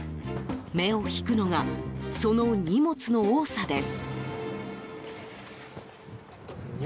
目を引くのがその荷物の多さです。